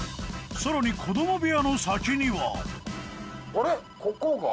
さらに子供部屋の先にはあれここが？